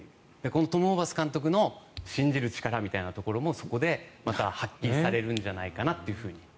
トム・ホーバス監督の信じる力みたいなところもそこでまた発揮されるんじゃないかなと。